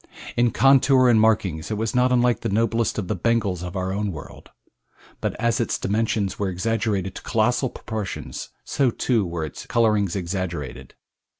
In contour and markings it was not unlike the noblest of the Bengals of our own world, but as its dimensions were exaggerated to colossal proportions so too were its colorings exaggerated.